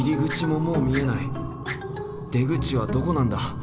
出口はどこなんだ？